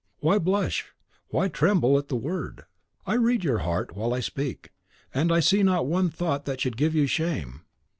Why blush, why tremble at the word? I read your heart while I speak, and I see not one thought that should give you shame.